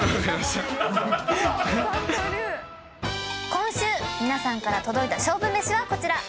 今週皆さんから届いた勝負めしはこちら。